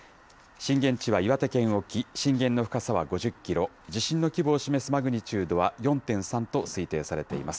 震源地は岩手県沖、震源の深さは５０キロ、地震の規模を示すマグニチュードは４．３と推定されています。